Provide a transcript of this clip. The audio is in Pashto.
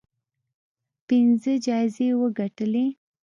پنځه جایزې وګټلې